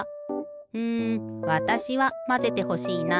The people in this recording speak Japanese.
うんわたしはまぜてほしいな。